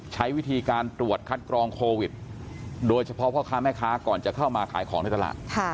ใช้วิธีการตรวจคัดกรองโควิดโดยเฉพาะพ่อค้าแม่ค้าก่อนจะเข้ามาขายของในตลาด